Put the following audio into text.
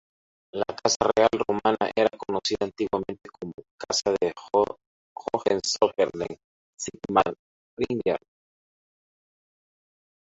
La casa real rumana era conocida antiguamente como "Casa de Hohenzollern-Sigmaringen".